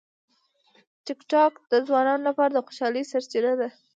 ټیکټاک د ځوانانو لپاره د خوشالۍ سرچینه ده.